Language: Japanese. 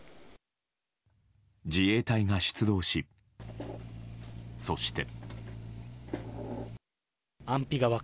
自衛隊が出動し、そして。